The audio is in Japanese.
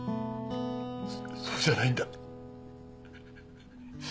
そうじゃないんだ。